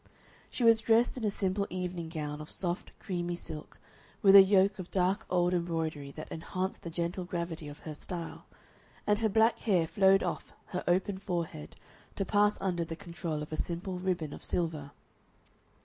She was dressed in a simple evening gown of soft creamy silk, with a yoke of dark old embroidery that enhanced the gentle gravity of her style, and her black hair flowed off her open forehead to pass under the control of a simple ribbon of silver.